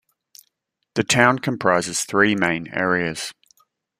The town comprises three main areas.